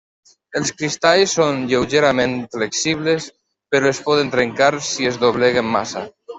Els cristalls són lleugerament flexibles, però es poden trencar si es dobleguen massa.